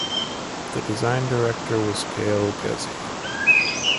The design director was Gail Ghezzi.